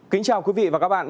kính chào quý vị và các bạn